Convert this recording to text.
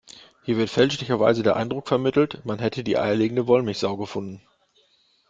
Hier wird fälschlicherweise der Eindruck vermittelt, man hätte die eierlegende Wollmilchsau gefunden.